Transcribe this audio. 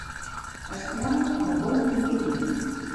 Es troba al Golf de Guinea.